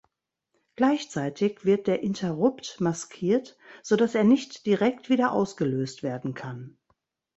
Gleichzeitig wird der Interrupt maskiert, sodass er nicht direkt wieder ausgelöst werden kann.